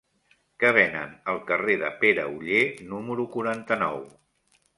Què venen al carrer de Pere Oller número quaranta-nou?